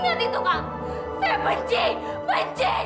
ingat itu kang saya benci benci